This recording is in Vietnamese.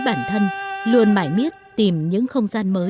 tàn phá quê hương của miền trung mịch